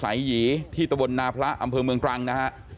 หยีที่ตะบลนาพระอำเภอเมืองตรังนะฮะ